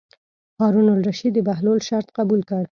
هارون الرشید د بهلول شرط قبول کړ.